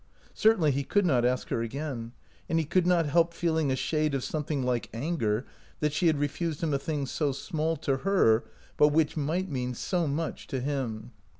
Certainly he could not ask her again, and he could not help feeling a shade of some thing like anger that she had refused him a thing so small to her but which might mean so much to him.